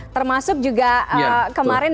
termasuk juga kemarin